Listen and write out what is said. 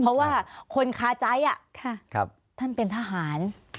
เพราะว่าคนคาใจท่านเป็นทหาร